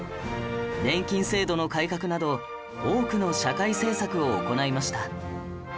年金制度の改革など多くの社会政策を行いました